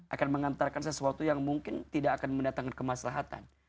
akan mengantarkan sesuatu yang mungkin tidak akan mendatangkan kemaslahatan